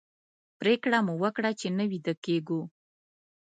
پرېکړه مو وکړه چې نه ویده کېږو.